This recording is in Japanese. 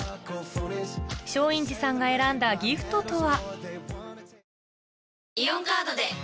松陰寺さんが選んだギフトとは？